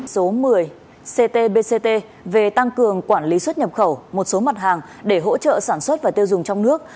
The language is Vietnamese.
số một mươi ctbct về tăng cường quản lý xuất nhập khẩu một số mặt hàng để hỗ trợ sản xuất và tiêu dùng trong nước